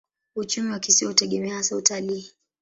Uchumi wa kisiwa hutegemea hasa utalii.